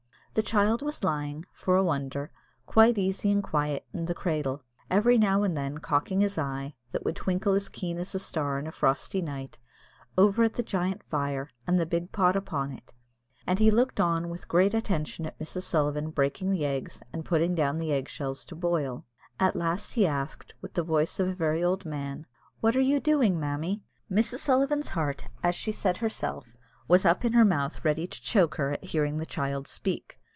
The child was lying, for a wonder, quite easy and quiet in the cradle, every now and then cocking his eye, that would twinkle as keen as a star in a frosty night, over at the great fire, and the big pot upon it; and he looked on with great attention at Mrs. Sullivan breaking the eggs and putting down the egg shells to boil. At last he asked, with the voice of a very old man, "What are you doing, mammy?" Mrs. Sullivan's heart, as she said herself, was up in her mouth ready to choke her, at hearing the child speak.